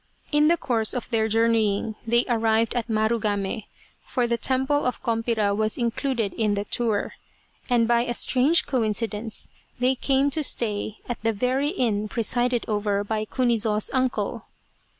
In the course of their journeying they arrived at Marugame, for the temple of Kompira was included in their tour, and by a strange coincidence they came to stay at the very inn presided over by Kunizo's uncle.